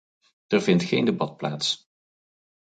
Er vindt geen debat plaats.